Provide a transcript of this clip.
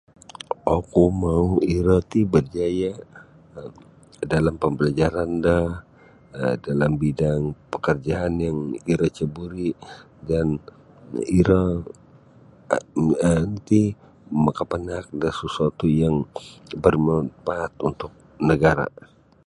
Oku mau' iro ti barjaya' dalam pembelajaran do um dalam bidang pakarjaan yang iro ceburi' dan iro um nu ti makapanaak da sasuatu' yang barmanfaat untuk nagara'.